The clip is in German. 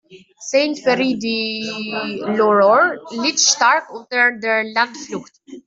Saint-Pierre-du-Lorouër litt stark unter der Landflucht.